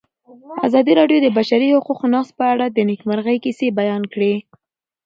ازادي راډیو د د بشري حقونو نقض په اړه د نېکمرغۍ کیسې بیان کړې.